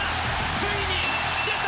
ついに出た！